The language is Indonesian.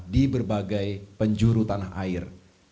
di berbagai penjuru tanah air